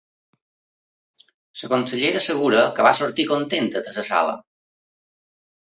La consellera assegura que va sortir ‘contenta’ de la sala.